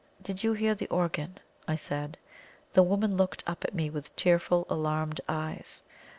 "Did you hear the organ?" I said. The woman looked up at me with tearful, alarmed eyes.